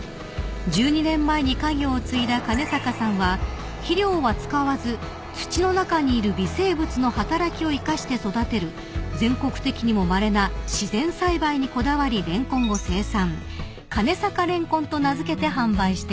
［１２年前に家業を継いだ金坂さんは肥料は使わず土の中にいる微生物の働きを生かして育てる全国的にもまれな自然栽培にこだわりレンコンを生産］